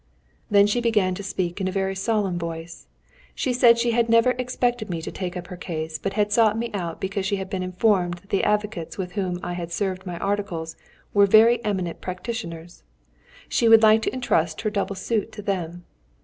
Then she began to speak in a very solemn voice. She said she had never expected me to take up her case, but had sought me out because she had been informed that the advocates with whom I had served my articles were very eminent practitioners; she would like to entrust her double suit to them.